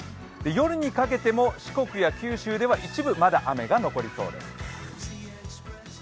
夜にかけても四国や九州では一部まだ雨が残りそうです。